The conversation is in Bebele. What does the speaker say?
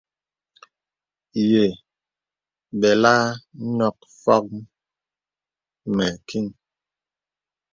Yə bɛlə à nɔ̄k fɔŋ mə kìŋ.